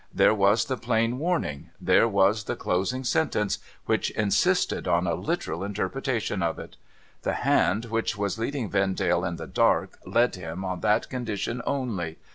There was the plain warning — there was the closing sentence, which insisted on a literal interpretation of it. The hand, which was leading Vendale in the dark, led him on that condition only.